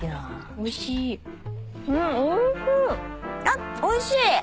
あっおいしい。